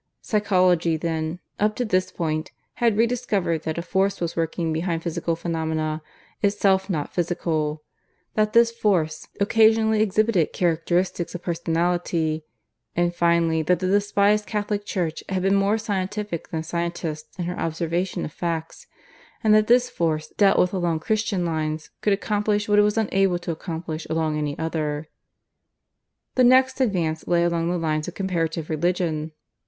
Psychology then, up to this point, had rediscovered that a Force was working behind physical phenomena, itself not physical; that this Force occasionally exhibited characteristics of Personality; and finally that the despised Catholic Church had been more scientific than scientists in her observation of facts; and that this Force, dealt with along Christian lines, could accomplish what it was unable to accomplish along any other. "The next advance lay along the lines of Comparative Religion.